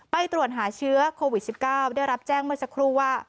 ไปตรวจหาเชื้อโควิด๑๙ได้รับแจ้งเมื่อสักครู่ว่า